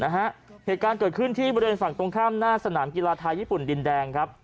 เหตุการณ์เกิดขึ้นที่บริเวณฝั่งตรงข้ามหน้าสนามกีฬาไทยญี่ปุ่นดินแดงครับ